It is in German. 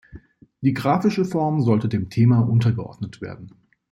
Die grafische Form sollte dem Thema untergeordnet werden.